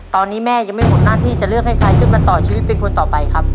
ตอนนี้แม่ยังไม่หมดหน้าที่จะเลือกให้ใครขึ้นมาต่อชีวิตเป็นคนต่อไปครับ